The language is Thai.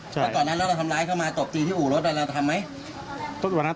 บางซื่อพอก่อนนั้นเราทำร้ายเข้ามาตบตีที่อู่รถเลยเราทำไหม